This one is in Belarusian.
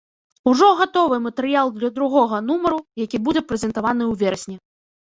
Ужо гатовы матэрыял для другога нумару, які будзе прэзентаваны ў верасні.